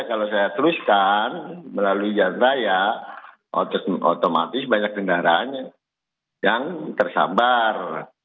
kalau saya teruskan melalui jalan raya otomatis banyak kendaraan yang tersambar